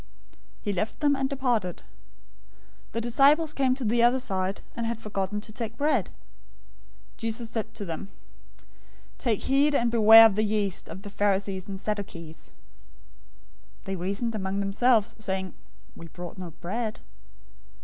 He left them, and departed. 016:005 The disciples came to the other side and had forgotten to take bread. 016:006 Jesus said to them, "Take heed and beware of the yeast of the Pharisees and Sadducees." 016:007 They reasoned among themselves, saying, "We brought no bread."